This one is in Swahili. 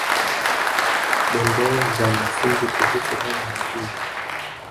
Dondoo za msingi kuhusu homa ya ini